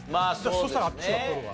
そしたらあっちが取る。